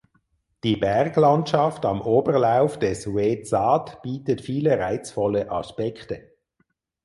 Die Berglandschaft am Oberlauf des Oued Zat bietet viele reizvolle Aspekte.